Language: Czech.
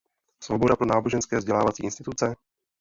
Svoboda pro náboženské vzdělávací instituce?